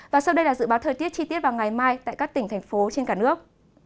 và sau đây là dự báo thời tiết chi tiết vào ngày mai tại các tỉnh thành phố trên cả nước